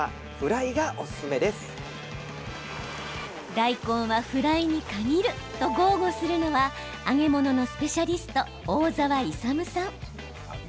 大根はフライに限ると豪語するのは揚げ物のスペシャリスト大澤勇さん。